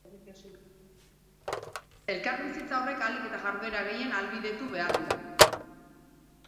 Elkarbizitza horrek ahalik eta jarduera gehien ahalbidetu behar du.